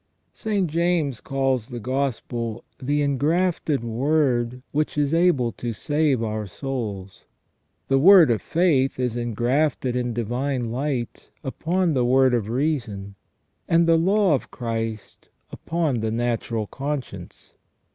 St. James calls the Gospel " the engrafted word, which is able to save our souls ". The word of faith is engrafted in divine light upon the word of reason, and the law of Christ upon the natural conscience.